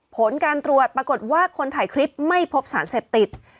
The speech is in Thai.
ผลการตรวจปรากฏว่าคนถ่ายคลิปไม่พบสารเสพติด